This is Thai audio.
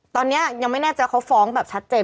ตอนนี้ยังไม่แน่ใจเขาฟ้องแบบชัดเจน